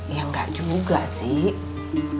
ya gak juga sih